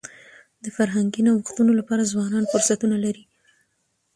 د فرهنګي نوښتونو لپاره ځوانان فرصتونه لري.